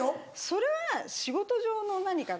それは仕事上の何かだから。